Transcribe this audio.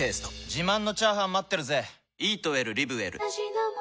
自慢のチャーハン待ってるぜ！